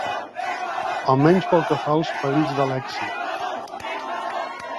Almenys pel que fa als perills de l'èxit.